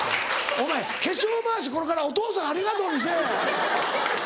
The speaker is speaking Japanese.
お前化粧まわしこれから「お父さんありがとう」にせぇ！